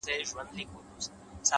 مريد يې مړ همېش يې پير ويده دی.!